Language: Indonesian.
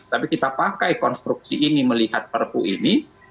tapi kita pakai konstruksi ini melihat perpu ini